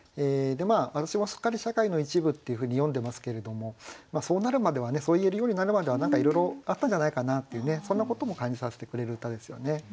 「私もすっかり社会の一部」っていうふうに詠んでますけれどもそうなるまではねそう言えるようになるまでは何かいろいろあったんじゃないかなっていうそんなことも感じさせてくれる歌ですよね。